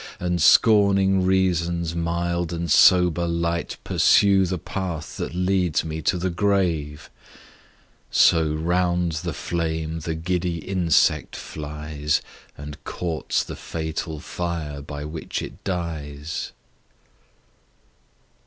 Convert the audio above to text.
And scorning Reason's mild and sober light, Pursue the path that leads me to the grave! So round the flame the giddy insect flies, And courts the fatal fire by which it dies!